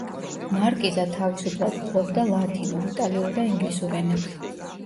მარკიზა თავისუფლად ფლობდა ლათინურ, იტალიურ და ინგლისურ ენებს.